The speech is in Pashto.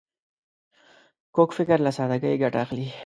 کوږ فکر له سادګۍ ګټه اخلي